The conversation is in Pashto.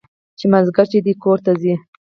چې مازديګر چې دى کور ته ځي.